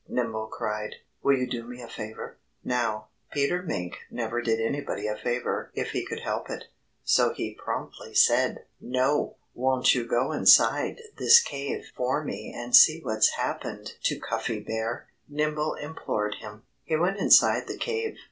Nimble cried. "Will you do me a favor?" Now, Peter Mink never did anybody a favor if he could help it. So he promptly said, "No!" "Won't you go inside this cave for me and see what's happened to Cuffy Bear?" Nimble implored him. "He went inside the cave.